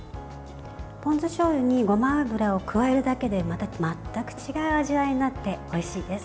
ポン酢しょうゆにごま油を加えるだけでまた全く違う味わいになっておいしいです。